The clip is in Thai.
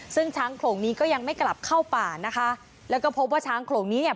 ซึ่งช้างโขลงนี้ก็ยังไม่กลับเข้าป่านะคะแล้วก็พบว่าช้างโขลงนี้เนี่ย